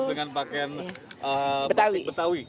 dengan pakaian batik betawi